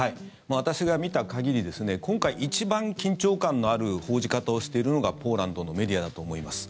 私が見た限り今回、一番緊張感のある報じ方をしているのがポーランドのメディアだと思います。